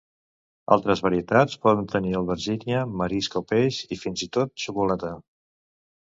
Altres varietats poden tenir albergínia, marisc o peix i, fins i tot, xocolata.